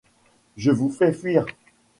Je vous fais fuir ?